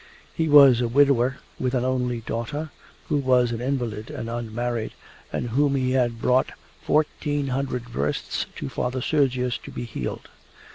He was a widower with an only daughter who was an invalid and unmarried, and whom he had brought fourteen hundred versts to Father Sergius to be healed.